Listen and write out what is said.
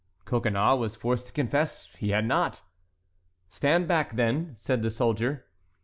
Coconnas was forced to confess he had not. "Stand back, then," said the soldier.